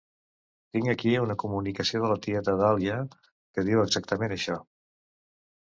Tinc aquí una comunicació de la tieta Dahlia que diu exactament això.